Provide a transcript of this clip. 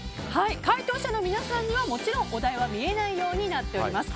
回答者の皆さんにはもちろんお題は見えないようになっています。